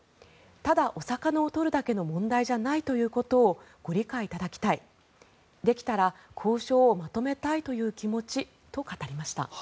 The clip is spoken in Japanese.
ただお魚を取るだけの問題じゃないということをご理解いただきたいできたら交渉をまとめたいという気持ちと語りました。